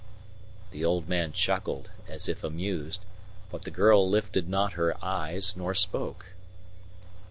The old man chuckled as if amused, but the girl lifted not her eyes nor spoke.